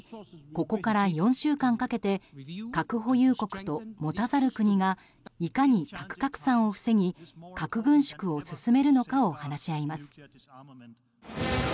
ここから４週間かけて核保有国と持たざる国がいかに核拡散を防ぎ核軍縮を進めるのかを話し合います。